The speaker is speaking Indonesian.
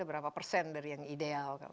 berapa persen dari yang ideal